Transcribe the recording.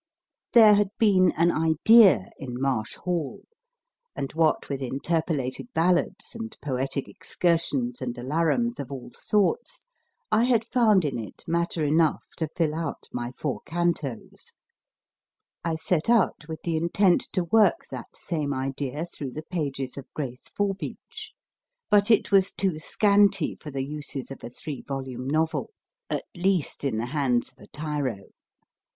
There had been an idea in 1 Marsh Hall/ and what with interpolated ballads and poetic excursions and alarums of all sorts, I had found in it matter enough to fill out my four cantos. I set out with the intent to work that same idea through o the pages of Grace Forbeach, but it was too scanty for the uses of a three volume novel, at least in the hands of a tiro.